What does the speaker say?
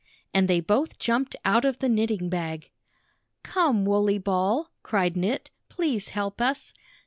And they both jumped out of the knitting bag. "Come, Wooley Ball," cried Knit, "please help us."